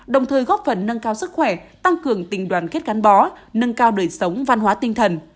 đồng thời góp phần nâng cao sức khỏe tăng cường tình đoàn kết gắn bó nâng cao đời sống văn hóa tinh thần